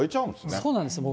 そうなんですよ。